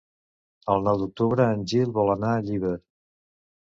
El nou d'octubre en Gil vol anar a Llíber.